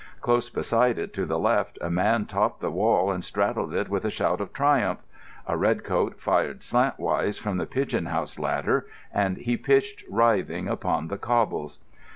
Close beside it to the left a man topped the wall and straddled it with a shout of triumph; a red coat fired slantwise from the pigeon house ladder and he pitched writhing upon the cobbles.